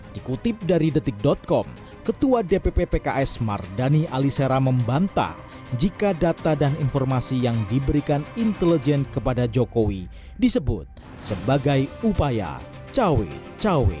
dikutip dari detik com ketua dpp pks mardani alisera membantah jika data dan informasi yang diberikan intelijen kepada jokowi disebut sebagai upaya cawe cawe